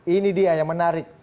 ini dia yang menarik